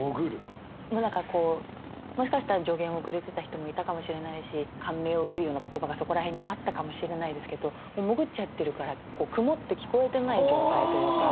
何かこうもしかしたら助言をくれてた人もいたかもしれないし感銘を受けるような言葉がそこら辺にあったかもしれないですけど潜っちゃってるから曇って聞こえてない状態というか。